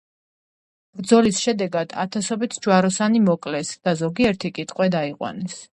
ბრძოლის შედეგად ათასობით ჯვაროსანი მოკლეს და ზოგიერთი კი ტყვედ აიყვანეს.